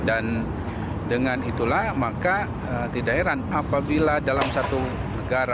dengan itulah maka tidak heran apabila dalam satu negara